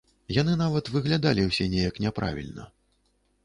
Яны нават выглядалі ўсе неяк няправільна.